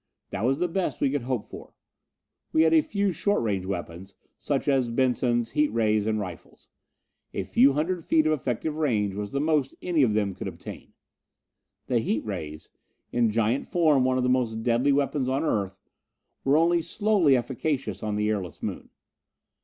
That was the best we could hope for. We had a few short range weapons, such as Bensons, heat rays and rifles. A few hundred feet of effective range was the most any of them could obtain. The heat rays in giant form one of the most deadly weapons on Earth were only slowly efficacious on the airless Moon.